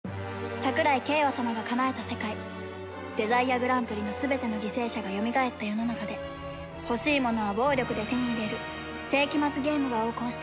桜井景和様がかなえた世界デザイアグランプリの全ての犠牲者がよみがえった世の中で欲しいものは暴力で手に入れる世紀末ゲームが横行していた